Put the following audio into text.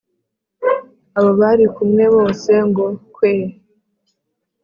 abo bari kumwe bose ngo 'kweeeee!'